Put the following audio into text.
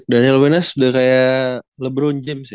daniel muenas udah kayak lebron james ya